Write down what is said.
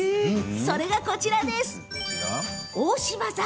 それがこちらです